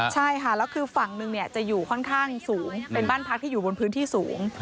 ใช่ค่ะแล้วคือฝั่งหนึ่งจะอยู่ค่อนข้างสูงเป็นบ้านพักที่อยู่บนพื้นที่สูง